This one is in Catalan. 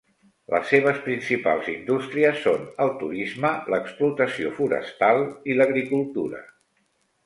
Les seves principals indústries són el turisme, l'explotació forestal i l'agricultura.